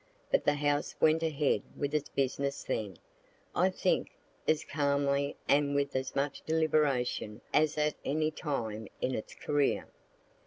But the House went ahead with its business then, I think, as calmly and with as much deliberation as at any time in its career.